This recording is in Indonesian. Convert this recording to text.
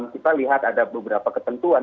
kita lihat ada beberapa ketentuan